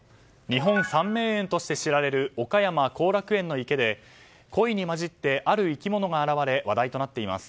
日本三名園として知られる岡山後楽園の池でコイに交じってある生き物が現れ話題となっています。